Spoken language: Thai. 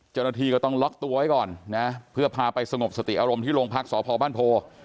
เจ้าหน้าที่ก็ต้องล็อกตัวไว้ก่อนนะเพื่อพาไปสงบสติอารมณ์ที่โรงพักษพบ้านโพ